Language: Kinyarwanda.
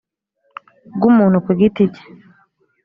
rw’umuntu ku giti cye